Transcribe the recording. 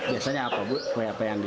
biasanya apa bu kue apa yang di